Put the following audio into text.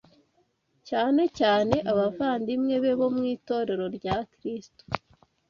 cyane cyane abavandimwe be bo mu itorero rya Kristo